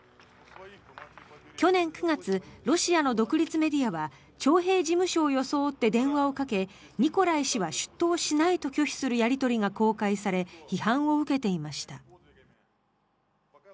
去年９月ロシアの独立メディアは徴兵事務所を装って電話をかけニコライ氏は出頭しないと拒否するやり取りが公開され批判を受けていました。